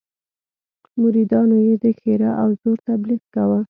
مریدانو یې د ښرا او زور تبليغ کاوه.